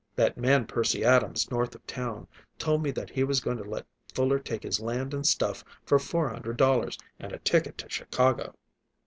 That man Percy Adams, north of town, told me that he was going to let Fuller take his land and stuff for four hundred dollars and a ticket to Chicago."